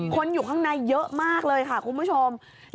คนอยู่ข้างในเยอะมากเลยค่ะคุณผู้ชม